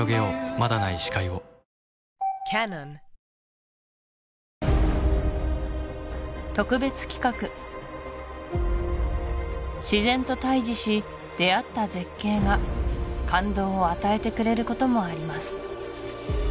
まだない視界を特別企画自然と対じし出会った絶景が感動を与えてくれることもあります